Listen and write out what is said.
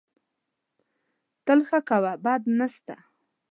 تل ښه کوه، بد نه سته